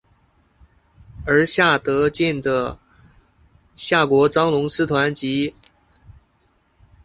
而夏德健的夏国璋龙狮团及谭定邦的香港发强体育总会过去都有参与龙狮节表演。